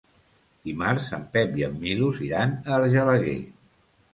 Dimarts en Pep i en Milos iran a Argelaguer.